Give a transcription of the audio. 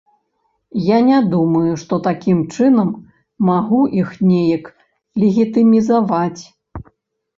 Я не думаю, што такім чынам магу іх неяк легітымізаваць.